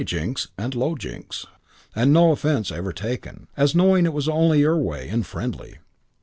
Jinks and lo! Jinks, and no offence ever taken, as knowing it was only your way and friendly.